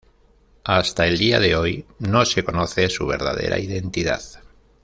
Hasta el día de hoy no se conoce su verdadera identidad.